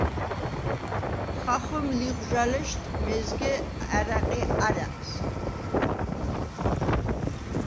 ხახვემ ლიღვაჟალეშდ მეზგე ა̈რა̈ყი არა̈ყს.